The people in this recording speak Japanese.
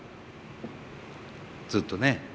ずっとね。